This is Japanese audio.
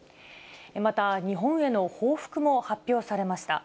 また日本への報復も発表されました。